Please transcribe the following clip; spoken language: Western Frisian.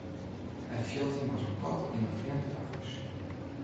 Hy fielt him as in kat yn in frjemd pakhús.